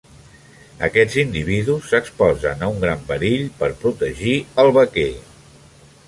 Aquests individus s'exposen a un gran perill per protegir el vaquer.